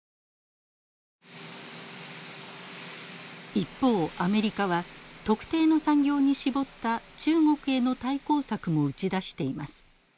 一方アメリカは特定の産業に絞った中国への対抗策も打ち出しています。